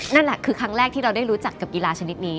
นั่นแหละคือครั้งแรกที่เราได้รู้จักกับกีฬาชนิดนี้